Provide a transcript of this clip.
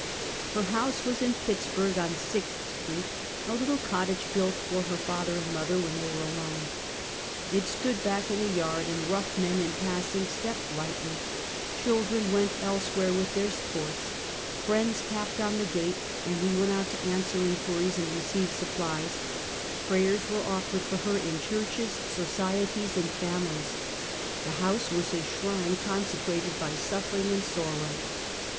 Her house was in Pittsburg, on Sixth street, a little cottage built for her father and mother when they were alone. It stood back in a yard, and rough men in passing stepped lightly — children went elsewhere with their sports — friends tapped on the gate, and we went out to answer inquiries and receive supplies — prayers were offered for her in churches, societies and The Yalley of the Shadow of Death. 71 families. The house was a shrine consecrated by suf fering and sorrow.